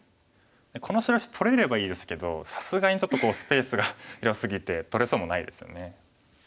この白石取れればいいですけどさすがにちょっとスペースが広すぎて取れそうもないですよね。